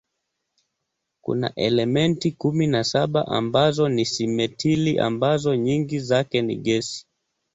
Kuna elementi kumi na saba ambazo ni simetili ambazo nyingi zake ni gesi.